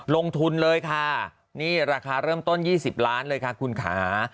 ลงทุนเลยค่ะนี่ราคาเริ่มต้น๒๐ล้านเลยค่ะคุณค่ะ